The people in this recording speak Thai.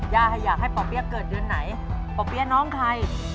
อยากให้ป่อเปี๊ยกเกิดเดือนไหนป่อเปี๊ยะน้องใคร